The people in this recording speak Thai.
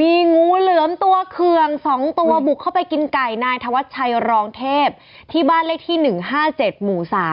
มีงูเหลือมตัวเคือง๒ตัวบุกเข้าไปกินไก่นายธวัชชัยรองเทพที่บ้านเลขที่๑๕๗หมู่๓